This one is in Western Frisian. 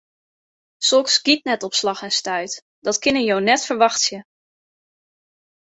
Soks giet net op slach en stuit, dat kinne jo net ferwachtsje.